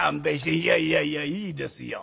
「いやいやいやいいですよ。